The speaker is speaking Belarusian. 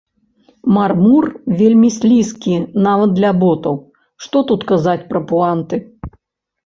Мармур вельмі слізкі нават для ботаў, што тут казаць пра пуанты!